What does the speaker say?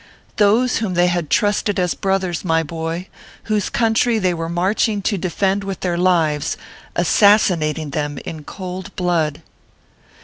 Those whom they had trusted as brothers, my boy whose country they were marching to de fend with their lives assassinating them in cold blood